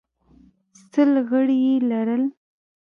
سل غړي یې لرل